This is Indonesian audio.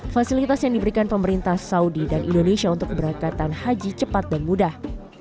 fasilitas yang diberikan pemerintah saudi dan indonesia untuk keberangkatan haji cepat dan mudah